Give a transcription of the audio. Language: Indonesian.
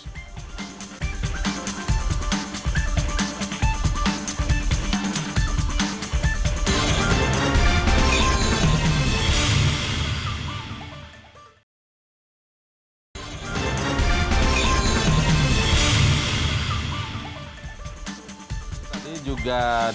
juga dikaitkan dengan bagaimana